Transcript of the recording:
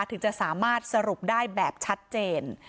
ถึงจะสามารถสรุปได้แบบชัดเจน